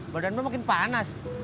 badan emak makin panas